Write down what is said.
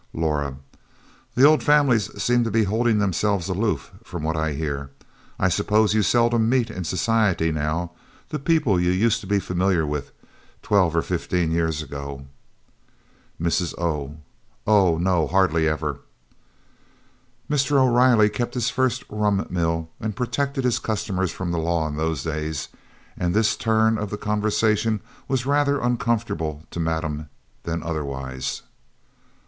Laura "The old families seem to be holding themselves aloof, from what I hear. I suppose you seldom meet in society now, the people you used to be familiar with twelve or fifteen years ago?" Mrs. O. "Oh, no hardly ever." Mr. O'Riley kept his first rum mill and protected his customers from the law in those days, and this turn of the conversation was rather uncomfortable to madame than otherwise.